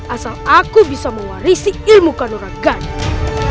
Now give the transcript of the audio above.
asal aku bisa mewarisi ilmu kanuragana